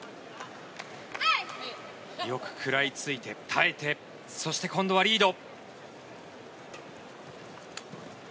よく食らいついて、耐えてそして今度はリード。